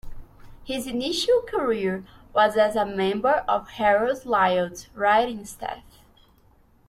His initial career was as a member of Harold Lloyd's writing staff.